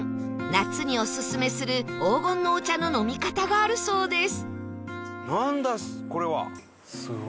夏におすすめする黄金のお茶の飲み方があるそうです